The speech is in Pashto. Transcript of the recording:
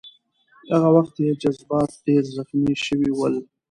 هغه وخت یې جذبات ډېر زخمي شوي ول.